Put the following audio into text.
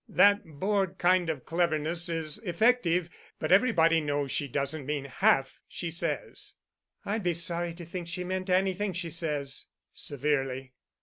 That bored kind of cleverness is effective—but everybody knows she doesn't mean half she says." "I'd be sorry to think she meant anything she says," severely.